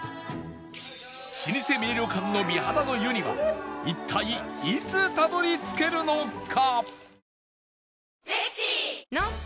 老舗名旅館の美肌の湯には一体いつたどり着けるのか？